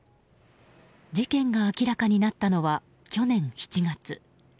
事件が明らかになったのは去年７月。